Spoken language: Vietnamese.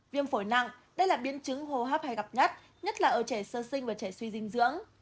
viêm phổi nặng đây là biến chứng hô hấp hay gặp nhất nhất là ở trẻ sơ sinh và trẻ suy dinh dưỡng